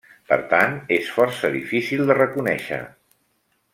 Per tant, és força difícil de reconèixer.